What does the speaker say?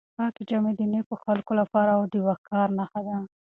پاکې جامې د نېکو خلکو لپاره د وقار نښه وي.